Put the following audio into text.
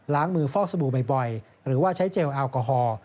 มือฟอกสบู่บ่อยหรือว่าใช้เจลแอลกอฮอล์